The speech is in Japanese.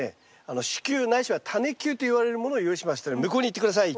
種球ないしはタネ球といわれるものを用意しましたので向こうに行って下さい。